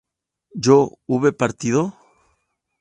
¿yo hube partido?